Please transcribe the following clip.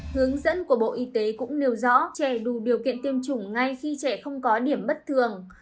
hướng dẫn của bộ y tế cũng nêu rõ trẻ đủ điều kiện tiêm chủng ngay khi trẻ không có điểm bất thường